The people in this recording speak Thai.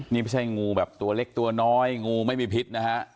นี่ไม่ใช่งูแบบตัวเล็กตัวน้อยงูไม่มีพิษนะฮะ